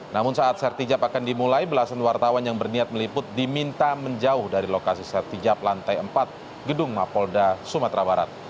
namun saat serat terima jabatan akan dimulai belasan wartawan yang berniat meliput diminta menjauh dari lokasi serat terima jabatan lantai empat gedung mabolda sumatera barat